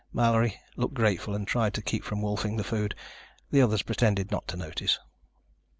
Mallory looked grateful and tried to keep from wolfing the food. The others pretended not to notice.